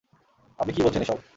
আপনি কী বলছেন এসব?